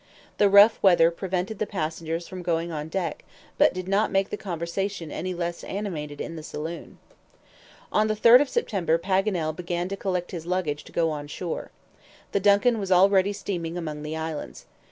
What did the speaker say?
The rough weather prevented the passengers from going on deck, but did not make the conversation any less animated in the saloon. On the 3d of September Paganel began to collect his luggage to go on shore. The DUNCAN was already steaming among the Islands.